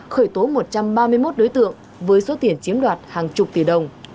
khởi tố một trăm ba mươi một đối tượng với số tiền chiếm đoạt hàng chục tỷ đồng